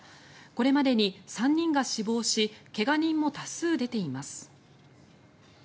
これまでに３人が死亡し怪我人も多数出ています。